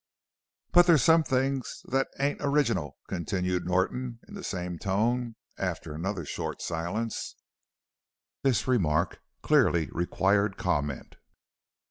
"But there's some things that ain't original," continued Norton in the same tone, after another short silence. This remark clearly required comment.